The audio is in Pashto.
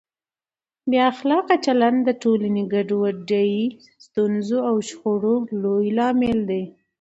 بې اخلاقه چلند د ټولنې ګډوډۍ، ستونزو او شخړو لوی لامل دی.